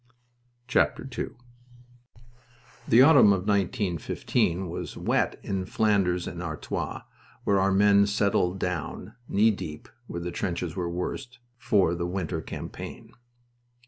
II The autumn of 1915 was wet in Flanders and Artois, where our men settled down knee deep where the trenches were worst for the winter campaign.